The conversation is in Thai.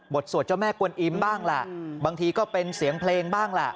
สวดเจ้าแม่กวนอิมบ้างแหละบางทีก็เป็นเสียงเพลงบ้างแหละ